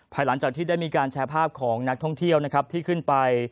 หลังจากที่ได้มีการแชร์ภาพของนักท่องเที่ยวนะครับที่ขึ้นไป